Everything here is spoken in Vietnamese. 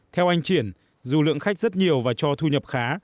theo anh triển dù lượng khách rất nhiều và cho thu nhập khá